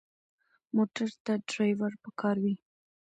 موټر ته ډرېور پکار وي.